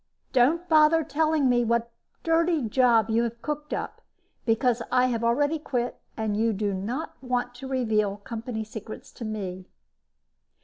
Don't bother telling me what dirty job you have cooked up, because I have already quit and you do not want to reveal company secrets to me."